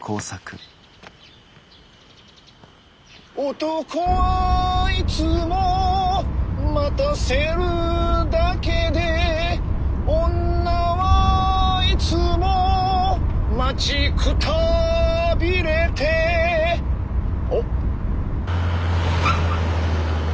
男はいつも待たせるだけで女はいつも待ちくたびれてお？